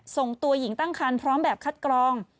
ส่งตัวหญิงตั้งคันพร้อมแบบคัดกรอง